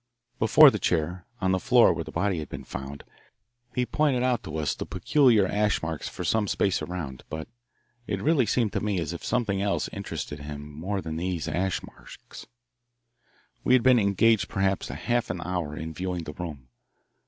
Before the chair, on the floor where the body had been found, he pointed out to us the peculiar ash marks for some space around, but it really seemed to me as if something else interested him more than these ash marks. We had been engaged perhaps half an hour in viewing the room.